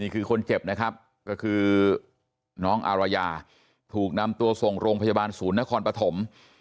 คือคนเจ็บน้องอารยาถูกนำตัวส่งโรงพจบาลศูนย์ภพฐม